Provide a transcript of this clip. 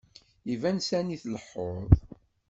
Iban sani tleḥḥuḍ.